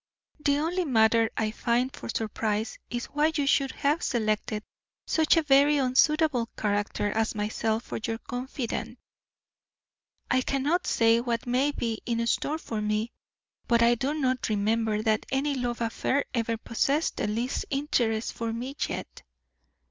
The only matter I find for surprise is why you should have selected such a very unsuitable character as myself for your confidante. I cannot say what may be in store for me, but I do not remember that any love affair ever possessed the least interest for me yet."